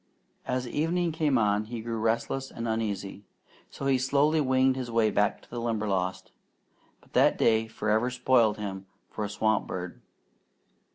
As evening came on he grew restless and uneasy, so he slowly winged his way back to the Limberlost; but that day forever spoiled him for a swamp bird.